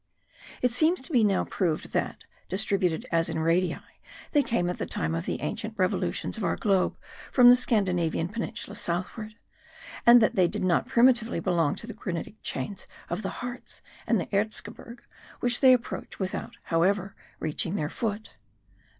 It seems to be now proved that, distributed as in radii, they came at the time of the ancient revolutions of our globe from the Scandinavian peninsula southward; and that they did not primitively belong to the granitic chains of the Harz and Erzgeberg, which they approach without, however, reaching their foot.